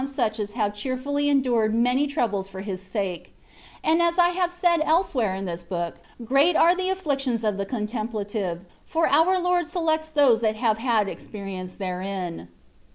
185 such as have cheerfully endured many troubles for His sake ; and as I have said elsewhere in this book, great are the afflictions of the ^^ Contempla tive/' for our Lord selects those who have had experience therein.